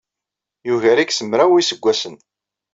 Yugar-ik s mraw n yiseggasen.